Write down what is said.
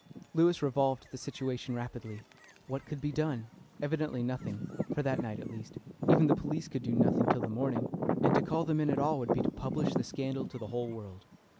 Lewis revolved the situation rapidly. What could be done? Evidently nothing for that night at least. Even the police could do nothing till the morning, and to call them in at all would be to publish the scandal to the whole world.